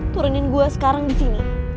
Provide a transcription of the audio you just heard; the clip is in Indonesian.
turunin gue sekarang disini